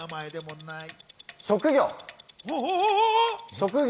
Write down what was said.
職業。